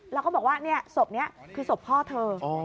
แล้วก็บอกว่าศพนี้คือศพพ่อเธอ